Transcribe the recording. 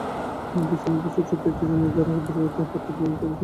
বিছানার পাশে ছোট্ট একটি জানালার ধারে দ্রুত হাতে ড্রয়িং করছিলেন হামিদুজ্জামান।